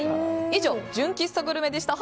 以上、純喫茶グルメでした。